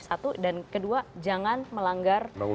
satu dan kedua jangan melanggar